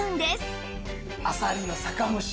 あさりの酒蒸し。